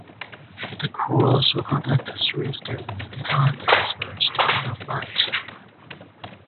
The crew also conducted three student-designed experiments during the flight.